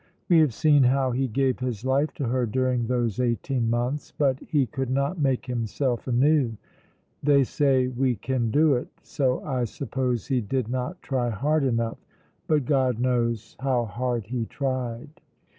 We have seen how he gave his life to her during those eighteen months, but he could not make himself anew. They say we can do it, so I suppose he did not try hard enough; but God knows how hard he tried.